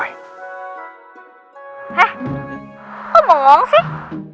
heh kok bengong sih